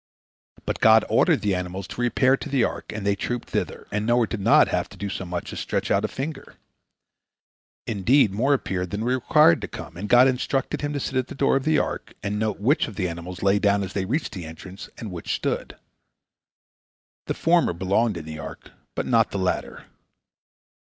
But God ordered the animals to repair to the ark, and they trooped thither, and Noah did not have to do so much as stretch out a finger. Indeed, more appeared than were required to come, and God instructed him to sit at the door of the ark and note which of the animals lay down as they reached the entrance and which stood. The former belonged in the ark, but not the latter.